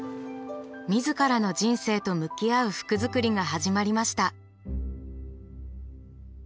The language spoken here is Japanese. みずからの人生と向き合う服づくりが始まりました。